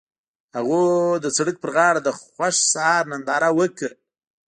هغوی د سړک پر غاړه د خوښ سهار ننداره وکړه.